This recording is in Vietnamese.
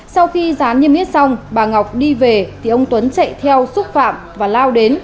sau khi rán niêm yết xong bà ngọc đi về thì ông tuấn chạy theo xúc phạm và lao đến